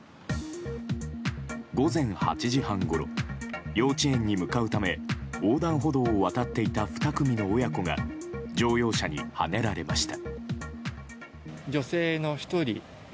午前８時半ごろ幼稚園に向かうため横断歩道を渡っていた２組の親子が乗用車にはねられました。